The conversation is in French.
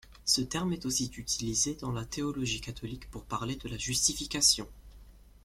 Ce terme est aussi utilisé dans la théologie catholique pour parler de la justification.